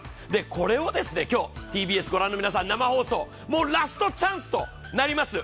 これを今日、ＴＢＳを御覧の皆さん、生放送、もうラストチャンスとなります。